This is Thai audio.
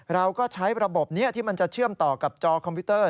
เราก็ใช้ระบบนี้ที่มันจะเชื่อมต่อกับจอคอมพิวเตอร์